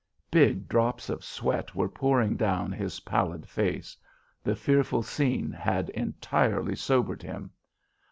Big drops of sweat were pouring down his pallid face. The fearful scene had entirely sobered him.